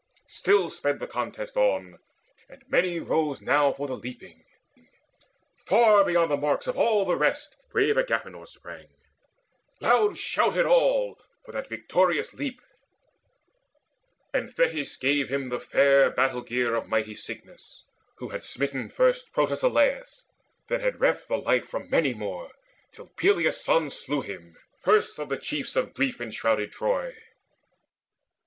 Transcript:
Still sped the contests on; and many rose Now for the leaping. Far beyond the marks Of all the rest brave Agapenor sprang: Loud shouted all for that victorious leap; And Thetis gave him the fair battle gear Of mighty Cycnus, who had smitten first Protesilaus, then had reft the life From many more, till Peleus' son slew him First of the chiefs of grief enshrouded Troy.